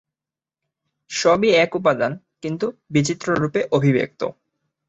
সবই এক উপাদান, কিন্তু বিচিত্ররূপে অভিব্যক্ত।